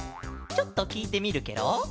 ちょっときいてみるケロ！